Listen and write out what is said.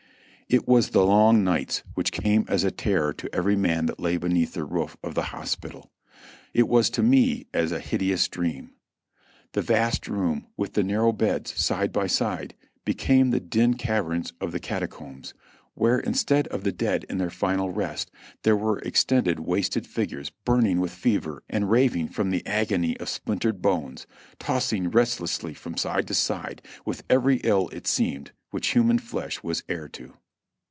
It was the long nights which came as a terror to every man that lay beneath the roof of the hospital ; it was to me as a hideous dream. The vast room, ^vith the narrow beds side by side, became like the dim caverns of the Catacombs, where, instead of the dead in their final rest, there were extended wasted figures burning with fever and raving from the agony of splintered bones, tossing restlessly from side to side, with every ill, it seemed, which human flesh was heir to.